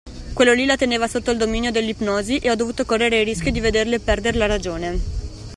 Quello lì la teneva sotto il dominio dell'ipnosi e ho dovuto correre il rischio di vederle perdere la ragione.